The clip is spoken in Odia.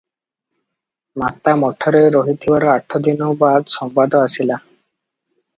ମାତା ମଠରେ ରହିଥିବାର ଆଠ ଦିନ ବାଦ ସମ୍ବାଦ ଆସିଲା ।